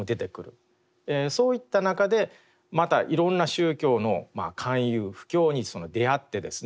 そういった中でまたいろんな宗教の勧誘布教に出会ってですね